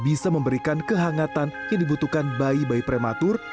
bisa memberikan kehangatan yang dibutuhkan bayi bayi prematur